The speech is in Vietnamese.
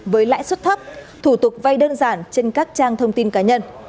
với lãi suất thấp thủ tục vay đơn giản trên các trang thông tin cá nhân